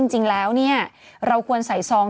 จริงแล้วเราควรใส่ซอง